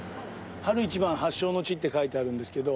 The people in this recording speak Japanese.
「『春一番』発祥の地」って書いてあるんですけど。